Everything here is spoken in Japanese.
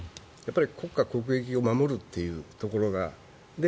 国家、国益を守るというところが。